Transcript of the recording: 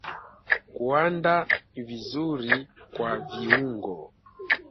Kuanda ni vizuri kwa viungo.